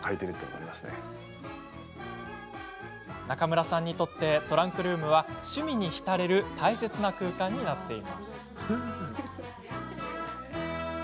中村さんにとってトランクルームは、趣味に浸れる大切な空間になっています。